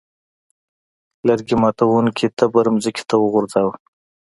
لرګي ماتوونکي تبر ځمکې ته وغورځاوه.